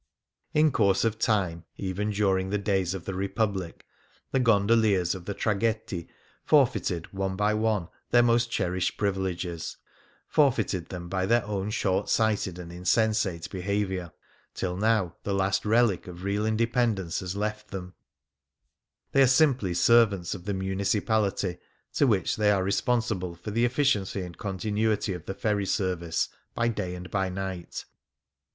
In course of time, even during the days of the Republic^ the gondoliers of the traghetti forfeited one by one their most cherished privileges — forfeited them by their own short sighted and insensate behaviour — till now the last relic of real independence has left them ; they are simply servants of the Municipality, to which they are responsible for the efficiency and continuity of the ferry service, by day and by night.